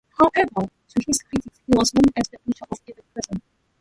However to his critics he was known as "the butcher of Evin Prison".